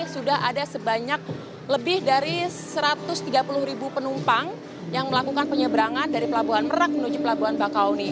sudah ada sebanyak lebih dari satu ratus tiga puluh ribu penumpang yang melakukan penyeberangan dari pelabuhan merak menuju pelabuhan bakauni